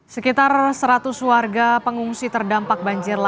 sekitar seratus warga pengungsi terdampak banjir